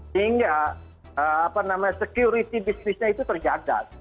sehingga apa namanya security business nya itu terjaga